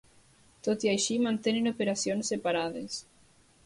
Tot i així mantenen operacions separades.